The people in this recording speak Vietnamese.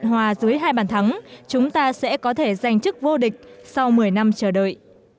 trận hòa dưới hai bàn thắng chúng ta sẽ có thể giành chức vô địch sau một mươi năm chờ đợi